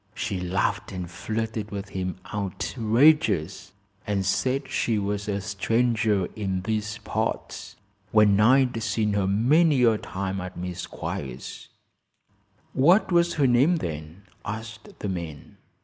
She laughed and flirted with him outrageous, and said she was a stranger in these parts, when I'd seen her many a time at Miss Squiers's." "What was her name then?" asked the man.